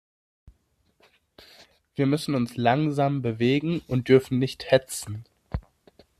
Wir müssen uns langsam bewegen und dürfen nicht hetzen.